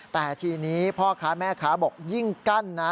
แต่ทีนี้พ่อค้าแม่ค้าบอกยิ่งกั้นนะ